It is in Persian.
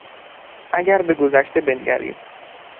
اگر به گذشته بنگریم